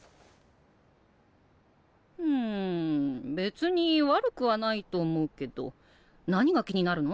ふん別に悪くはないと思うけど何が気になるの？